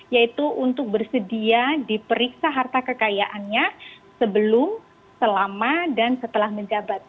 yaitu untuk bersedia diperiksa harta kekayaannya sebelum selama dan setelah menjabat